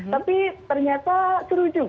tapi ternyata seru juga